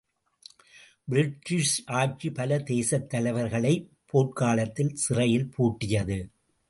British ஆட்சி பல தேசத் தலைவர்களைப் போர்க்காலத்தில் சிறையில் பூட்டியது.